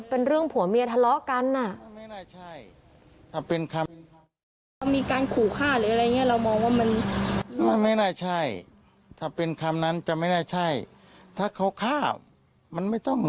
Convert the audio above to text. เป็นเรื่องผัวเมียทะเลาะกัน